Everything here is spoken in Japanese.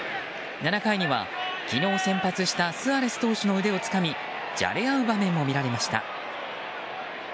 ７回には昨日先発したスアレス投手の腕をつかみじゃれ合う場面も見られました。